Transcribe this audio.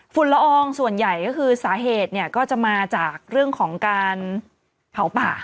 ละอองส่วนใหญ่ก็คือสาเหตุเนี่ยก็จะมาจากเรื่องของการเผาป่า